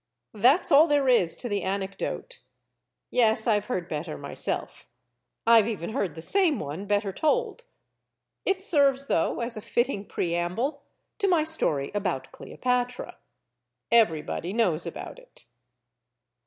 That's all there is to the anecdote. Yes, I've heard better, myself. I've even heard the same one better told. It serves, though, as a fitting preamble to my story about Cleopatra. "Everybody knows about it."